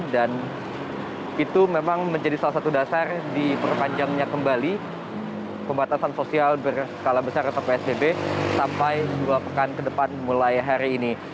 dan itu memang menjadi salah satu dasar di perpanjangnya kembali pembatasan sosial berskala besar atau psbb sampai dua pekan ke depan mulai hari ini